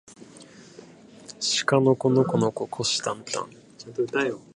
しかのこのこのここしたんたん